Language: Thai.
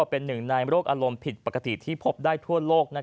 เป็นหนึ่งในโรคอารมณ์ผิดปกติที่พบได้ทั่วโลก